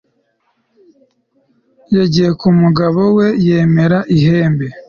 yagiye ku mugabo we yemera ihembe